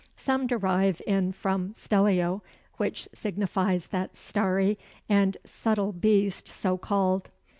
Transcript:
Some derive in from Stellio, which signifies that starry and subtle beast so called.